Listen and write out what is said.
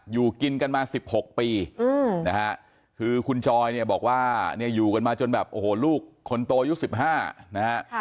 อยู่กินกันมา๑๖ปีคุณจอยบอกว่าอยู่กันมาจนแบบโอ้โหลูกคนโตยุค๑๕